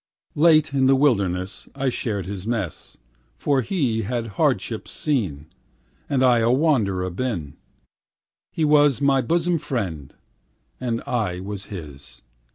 Late in a wilderness I shared his mess, For he had hardships seen, And I a wanderer been; He was my bosom friend, and I was his.